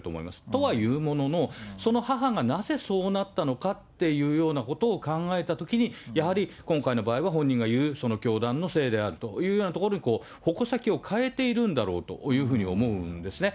とはいうものの、その母がなぜそうなったのかっていうようなことを考えたときに、やはり今回の場合は本人が言うその教団のせいであるというようなところに矛先を変えているんだろうというふうに思うんですね。